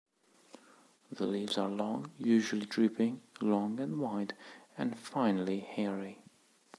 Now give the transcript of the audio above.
The leaves are long, usually drooping, long and wide, and finely hairy.